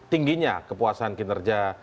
tingginya kepuasan kinerja